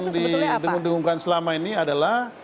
cuma satu yang didengungkan selama ini adalah